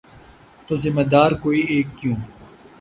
تو ذمہ دار کوئی ایک کیوں؟